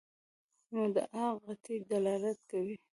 مدعا قطعي دلالت کوي.